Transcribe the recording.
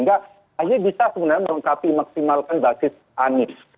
ahaya bisa sebenarnya melengkapi maksimalkan basis anis